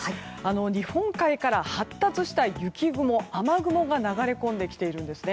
日本海から発達した雪雲、雨雲が流れ込んできているんです。